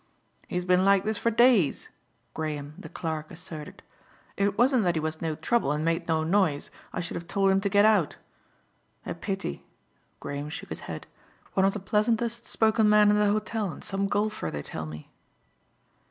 "He's been like this for days," Graham, the clerk, asserted. "If it wasn't that he was no trouble and made no noise I should have told him to get out. A pity," Graham shook his head, "one of the pleasantest spoken men in the hotel, and some golfer, they tell me."